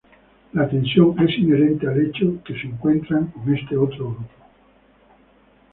La tensión es inherente al hecho que se encuentran con este otro grupo.